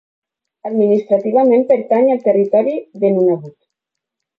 Administrativament pertany al territori de Nunavut.